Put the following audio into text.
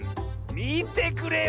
みてくれよ